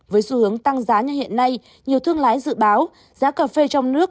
với xu hướng tăng giá như hiện nay nhiều thương lái dự báo giá cà phê trong nước